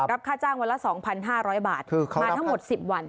ค่าจ้างวันละ๒๕๐๐บาทมาทั้งหมด๑๐วัน